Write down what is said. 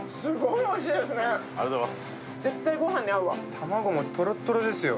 卵もとろっとろですよ。